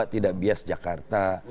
tidak bias jakarta